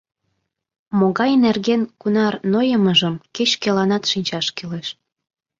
Могай нерген кунар нойымыжым кеч-кӧланат шинчаш кӱлеш.